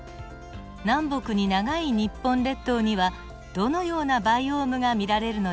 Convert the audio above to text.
南北に長い日本列島にはどのようなバイオームが見られるのでしょうか？